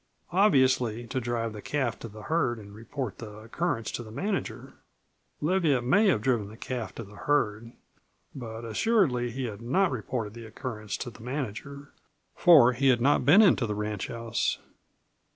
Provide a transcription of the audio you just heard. Obviously to drive the calf to the herd and report the occurrence to the manager. Leviatt may have driven the calf to the herd, but assuredly he had not reported the occurrence to the manager, for he had not been in to the ranchhouse.